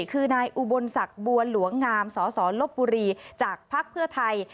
คือนายอุบลศักดิ์บัวหลวงงามสสลบบุรีจากภักดิ์เพื่อไทย